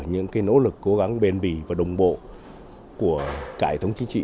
những cái nỗ lực cố gắng bền bì và đồng bộ của cải thống chính trị